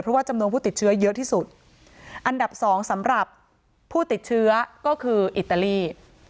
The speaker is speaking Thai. เพราะว่าจำนวนผู้ติดเชื้อเยอะที่สุดอันดับสองสำหรับผู้ติดเชื้อก็คืออิตาลี